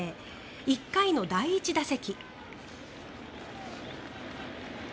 １回の第１打席。